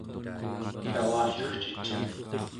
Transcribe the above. cavallercit!